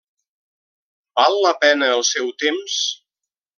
Val la pena el seu temps?